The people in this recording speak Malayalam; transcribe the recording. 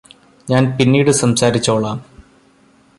ഞാന് പിന്നീട് സംസാരിച്ചോളാം